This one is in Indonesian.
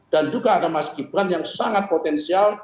dan juga ada mas gibran yang sangat potensial